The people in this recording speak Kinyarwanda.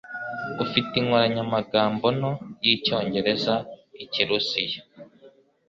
Ufite inkoranyamagambo nto y'Icyongereza-Ikirusiya?